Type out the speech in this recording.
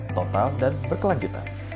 total dan berkelanjutan